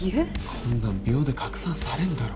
こんなん秒で拡散されんだろ。